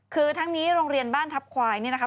คือทั้งนี้โรงเรียนบ้านทัพควายเนี่ยนะคะ